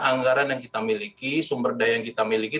anggaran yang kita miliki sumber daya yang kita miliki